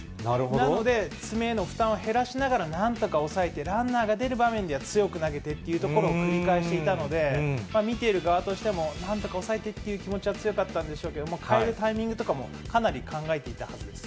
なので、爪への負担を減らしながら、なんとか抑えて、ランナーが出る場面では強く投げてっていうところを繰り返していたので、見ている側としても、なんとか抑えてっていう気持ちは強かったんでしょうけど、代えるタイミングとかもかなり考えていたはずです。